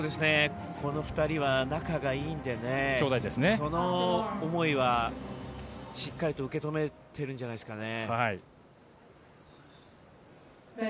この２人は仲がいいのでその思いはしっかりと受け止めてるんじゃないですかね。